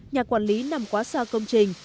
nhà quản lý nằm quá xa công trình